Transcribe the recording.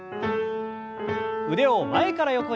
腕を前から横に。